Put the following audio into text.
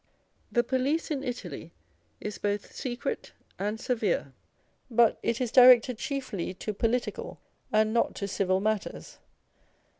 The police in Italy is both secret and severe, but it is directed chiefly to political and not to civil matters.